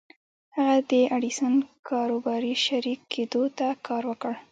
هغه د ايډېسن کاروباري شريک کېدو ته کار وکړ.